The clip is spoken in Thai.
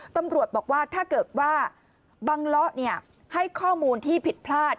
ตำรวจบอกว่าถ้าเกิดว่าบังเลาะให้ข้อมูลที่ผิดพลาด